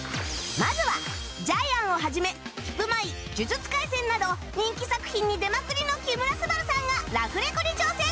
まずはジャイアンを始め『ヒプマイ』『呪術廻戦』など人気作品に出まくりの木村昴さんがラフレコに挑戦！